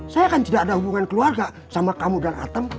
saya akan tidak ada hubungan keluarga sama kamu dan atem